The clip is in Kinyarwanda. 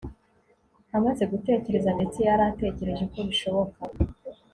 amaze gutekereza, ndetse yari ategereje ko bishoboka